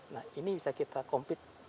nah ini bisa kita compete